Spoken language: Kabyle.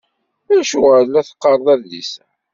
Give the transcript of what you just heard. Acuɣer i la teqqareḍ adlis-a?